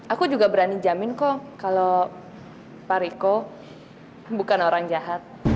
aku juga berani jamin kok kalau pak riko bukan orang jahat